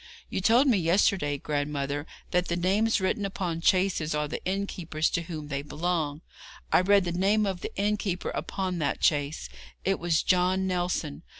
You told me yesterday, grandmother, that the names written upon chaises are the innkeepers to whom they belong. I read the name of the innkeeper upon that chaise. It was John Nelson.